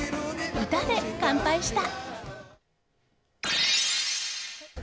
歌で乾杯した。